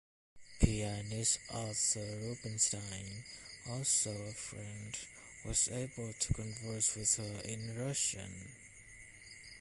Pianist Arthur Rubinstein, also a friend, was able to converse with her in Russian.